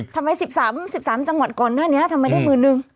ทำไม๑๓จังหวัดก่อนหน้านี้ทำไมได้หมื่นนึง